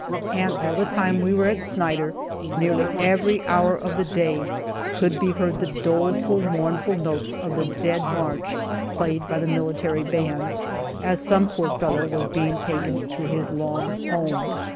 And all the time we were at Snyder, nearly every hour of the day, could be heard the doleful, mournful notes of the "Dead March," played by the military bands, as some poor fellow was being taken to his long home.